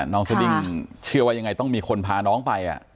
สดิ้งเชื่อว่ายังไงต้องมีคนพาน้องไป